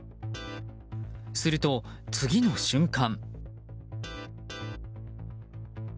すると、次の瞬間。